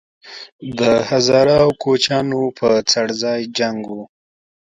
د هزاره او کوچیانو په څړځای جنګ وو